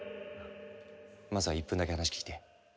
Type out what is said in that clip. まずは１分だけ話聞いて。